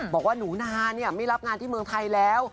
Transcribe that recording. บอกว่าหนูนาไม่รับงานที่เมืองไทยแล้ว